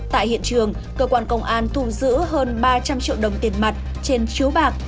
tại hiện trường cơ quan công an thu giữ hơn ba trăm linh triệu đồng tiền mặt trên chiếu bạc